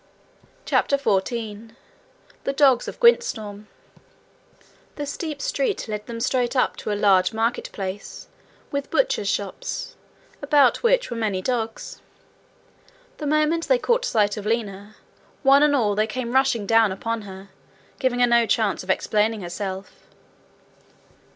CHAPTER 14 The Dogs of Gwyntystorm The steep street led them straight up to a large market place with butchers' shops, about which were many dogs. The moment they caught sight of Lina, one and all they came rushing down upon her, giving her no chance of explaining herself.